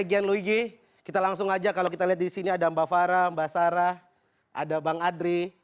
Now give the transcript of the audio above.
gian luigi kita langsung aja kalau kita lihat di sini ada mbak fara mbak sarah ada bang adri